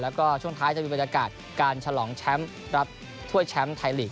แล้วก็ช่วงท้ายจะมีบรรยากาศการฉลองแชมป์รับถ้วยแชมป์ไทยลีก